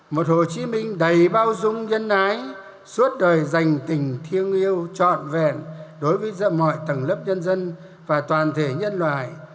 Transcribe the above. một hồ chí minh đầy bao dung nhân ái suốt đời dành tình thiêng yêu trọn vẹn đối với mọi tầng lớp nhân dân và toàn thể nhân loại